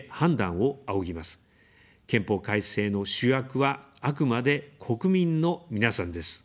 憲法改正の主役は、あくまで国民の皆さんです。